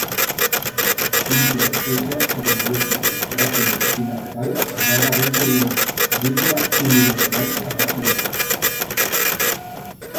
Inflorescencia generalmente un racimo bilateral, raramente una panícula unilateral racemosa.